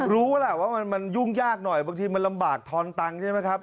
รู้แหละว่ามันยุ่งยากหน่อยบางทีมันลำบากทอนตังค์ใช่ไหมครับ